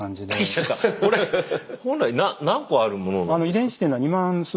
これ本来何個あるものなんですか？